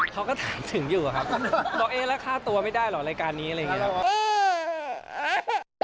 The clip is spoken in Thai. เขาก็ถามถึงอยู่อะครับบอกเอ๊ะแล้วฆ่าตัวไม่ได้เหรอรายการนี้อะไรอย่างนี้ครับ